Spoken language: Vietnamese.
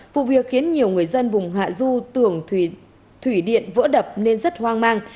vụ việc khiến nhiều người dân vùng hạ du tường thủy điện vỡ đập nên rất hoang mang